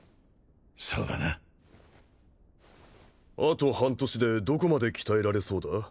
そうだなあと半年でどこまで鍛えられそうだ？